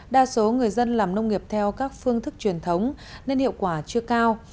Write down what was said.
đa số người dân làm nông nghiệp theo các phương thức truyền thống nên hiệu quả chưa cao